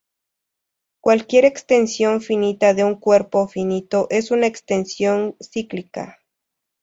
Cualquier extensión finita de un cuerpo finito es una extensión cíclica.